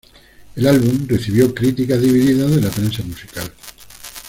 El álbum recibió críticas divididas de la prensa musical.